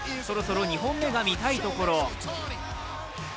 そろそろ２本目が見たいところ。